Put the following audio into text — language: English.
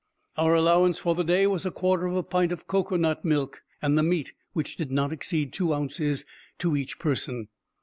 Our allowance for the day was a quarter of a pint of cocoa nut milk, and the meat, which did not exceed two ounces to each person.